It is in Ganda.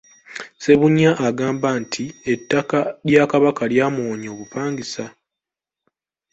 Ssebunya agamba nti ettaka lya Kabaka lyamuwonya obupangisa.